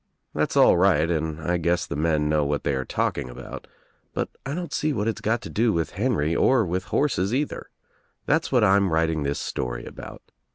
That's all right and I guess the men know what they are talking about, but I don't see what it's got to do with Henry or with horses either. That's what I'm writing this story about.